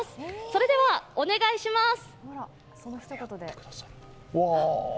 それではお願いします！